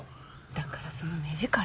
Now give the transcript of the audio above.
だからその目力。